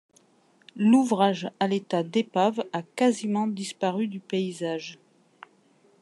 L'ouvrage, à l'état d'épave, a quasiment disparu du paysage.